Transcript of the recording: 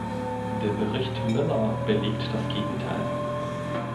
Der Bericht Miller belegt das Gegenteil.